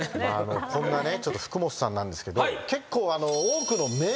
こんなね福本さんなんですけど結構。